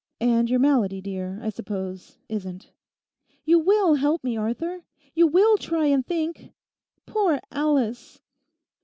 And your malady, dear, I suppose, isn't. You will help me, Arthur? You will try and think? Poor Alice!